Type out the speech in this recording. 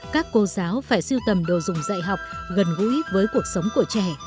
các cô giáo phải siêu tầm đồ dùng dạy học gần gũi với cuộc sống của trẻ